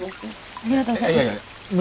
ありがとうございます。